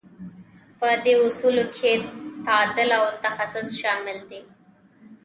په دې اصولو کې تعادل او تخصص شامل دي.